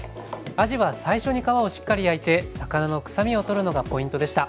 あじは最初に皮をしっかり焼いて魚のくさみを取るのがポイントでした。